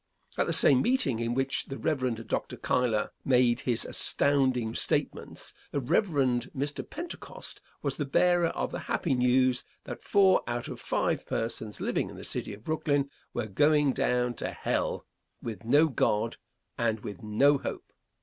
At the same meeting in which the Rev. Dr. Cuyler made his astounding statements the Rev. Mr. Pentecost was the bearer of the happy news that four out of five persons living in the city of Brooklyn were going down to hell with no God and with no hope.